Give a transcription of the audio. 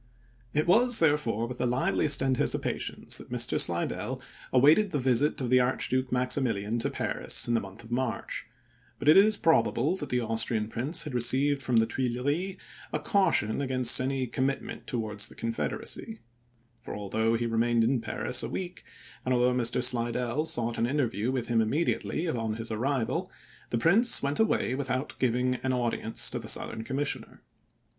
It was, therefore, with the liveliest anticipations that Mr. Slidell awaited the visit of the Archduke Maximilian to Paris in the month of March; but it is probable that the Austrian prince had received from the Tuileries a caution against any commit ment towards the Confederacy; for, although he remained in Paris a week, and although Mr. Slidell sought an interview with him immediately on his arrival, the prince went away without giving an audience to the Southern commissioner.